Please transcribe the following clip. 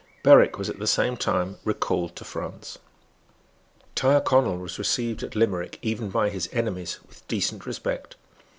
Berwick was at the same time recalled to France. Tyrconnel was received at Limerick, even by his enemies, with decent respect.